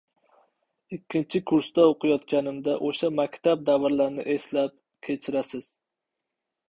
Ikkinchi kursda o‘qiyotganimda o‘sha maktab davrlarini eslab “Kechirasiz